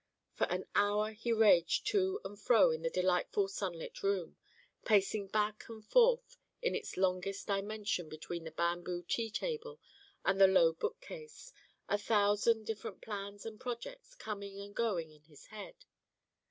For an hour he raged to and fro in the delightful sunlit room, pacing back and forth in its longest dimension between the bamboo tea table and the low bookcase, a thousand different plans and projects coming and going in his head.